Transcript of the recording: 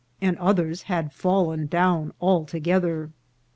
431 and others had fallen down altogether.